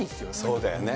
そうだよね。